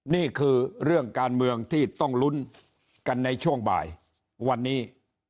นี่คือเรื่องการเมืองที่ต้องลุ้นกันในช่วงบ่ายวันนี้